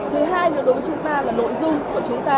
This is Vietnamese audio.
thứ hai đối với chúng ta là nội dung của chúng ta